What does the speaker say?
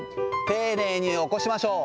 丁寧に起こしましょう。